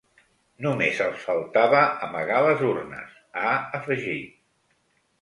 Només els faltava amagar les urnes, ha afegit.